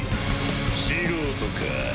素人か。